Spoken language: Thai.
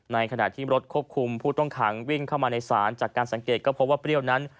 ในขณะที่รถควบคุมผู้ต้องขังวิ่งเข้ามาในศาลจากการสังเกตก็พบว่าเปรี้ยวนั้น